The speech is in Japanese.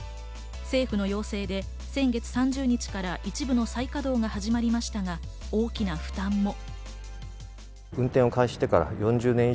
政府の要請で先月３０日から一部の再稼働が始まりましたが、大きな負担も。